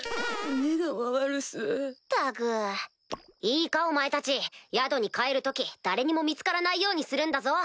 いいかお前たち宿に帰る時誰にも見つからないようにするんだぞ。